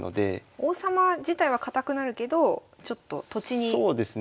王様自体は堅くなるけどちょっと土地にそうですね。